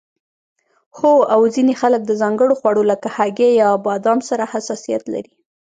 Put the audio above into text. هو او ځینې خلک د ځانګړو خوړو لکه هګۍ یا بادام سره حساسیت لري